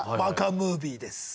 ムービーです。